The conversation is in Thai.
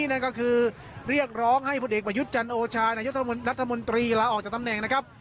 นั่นก็คือเรียกร้องให้ผลเอกประยุทธ์จันโอชานายกรัฐมนตรีลาออกจากตำแหน่งนะครับ